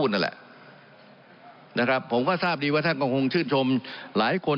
อุ้ยไปเปรียบเที่ยวมันยังไม่โกรธตายหรอ